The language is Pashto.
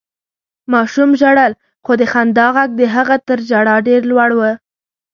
ماشوم ژړل، خو د خندا غږ د هغه تر ژړا ډېر لوړ و.